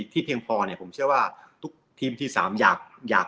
ที่เพียงพอเนี้ยผมเชื่อว่าทุกทีมที่สามอยากอยาก